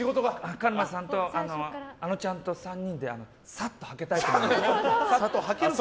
カルマさんとあのちゃんと３人でサッと、はけたいと思います。